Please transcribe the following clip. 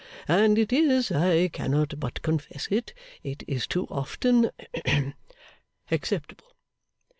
And it is, I cannot but confess it, it is too often hem acceptable.